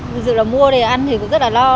ví dụ là mua để ăn thì cũng rất là lo